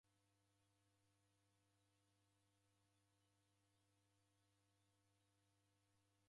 Kampuni ichuriagha mishara ra w'abonyi kazi.